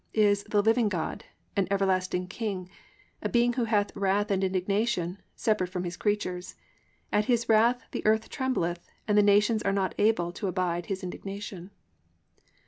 Is "the living God," "an everlasting King," a being who hath "wrath and indignation," separate from His creatures—"at His wrath the earth trembleth and the nations are not able to abide His indignation."